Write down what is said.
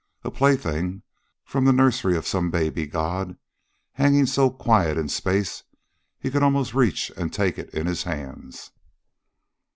A plaything from the nursery of some baby god, hanging so quiet in space he could almost reach and take it in his hands.